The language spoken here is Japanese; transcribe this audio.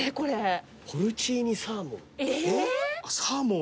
ポルチーニサーモン。